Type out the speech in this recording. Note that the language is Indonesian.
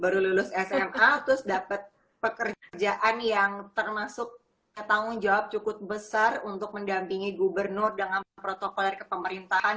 baru lulus sma terus dapat pekerjaan yang termasuk tanggung jawab cukup besar untuk mendampingi gubernur dengan protokol dari kepemerintahan